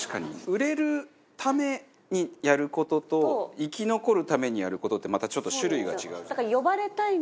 売れるためにやる事と生き残るためにやる事ってまたちょっと種類が違うじゃないですか。